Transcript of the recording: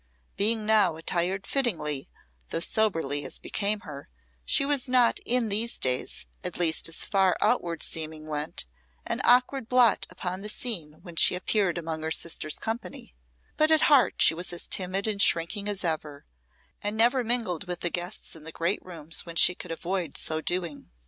Being now attired fittingly, though soberly as became her, she was not in these days at least, as far as outward seeming went an awkward blot upon the scene when she appeared among her sister's company; but at heart she was as timid and shrinking as ever, and never mingled with the guests in the great rooms when she could avoid so doing.